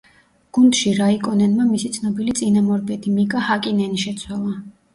გუნდში რაიკონენმა მისი ცნობილი წინამორბედი, მიკა ჰაკინენი შეცვალა.